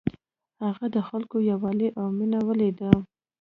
هغه د خلکو یووالی او مینه ولیده.